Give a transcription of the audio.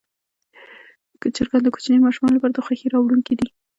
چرګان د کوچنیو ماشومانو لپاره خوښي راوړونکي دي.